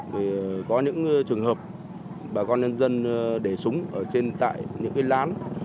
thì có những trường hợp bà con nhân dân để súng ở trên tại những cái lán